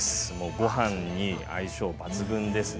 ごはんに相性抜群です。